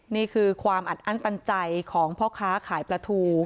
นี่คือความอัดอั้นตันใจของพ่อค้าขายปลาทู